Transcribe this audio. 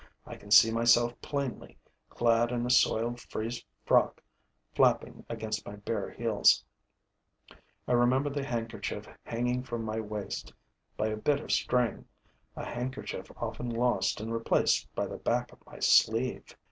I can see myself plainly, clad in a soiled frieze frock flapping against my bare heels; I remember the handkerchief hanging from my waist by a bit of string, a handkerchief often lost and replaced by the back of my sleeve.